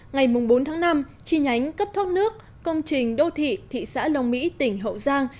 ngày bốn tháng năm chi nhánh cấp thoát nước công trình đô thị thị xã long mỹ tỉnh hậu giang